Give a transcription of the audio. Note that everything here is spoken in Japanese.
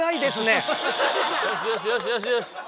よしよしよしよしよし！